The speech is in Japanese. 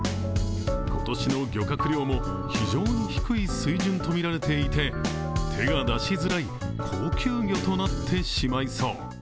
今年の漁獲量も非常に低い水準とみられていて、手が出しづらい高級魚となってしまいそう。